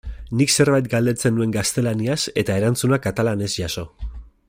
Nik zerbait galdetzen nuen gaztelaniaz eta erantzuna katalanez jaso.